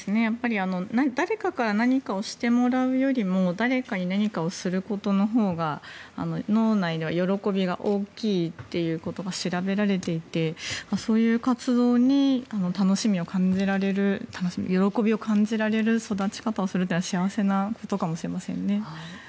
誰かから何かをしてもらうよりも誰かに何かをすることのほうが脳内では喜びが大きいということが調べられていてそういう活動に楽しみを感じられる喜びを感じられる育ち方をするというのは幸せなことかもしれませんね。